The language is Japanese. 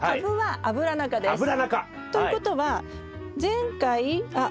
アブラナ科。ということは前回あっ